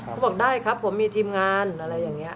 เขาบอกได้ครับผมมีทีมงานอะไรอย่างนี้